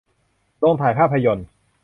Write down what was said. โรงถ่ายภาพยนตร์